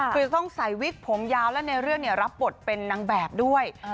คือจะต้องใส่วิกผมยาวและในเรื่องรับบทเป็นนางแบบด้วย